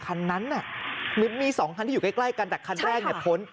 ครั้นนั้นนี่มีสองครั้งที่อยู่ใกล้ใกล้กันแต่ครั้นแรงไม่ผล